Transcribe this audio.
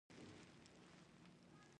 ویده ماشومان ډېر ژر ویده کېږي